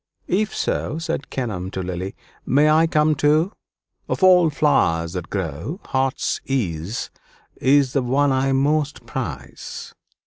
"If so," said Kenelm to Lily, "may I come too? Of all flowers that grow, heart's ease is the one I most prize."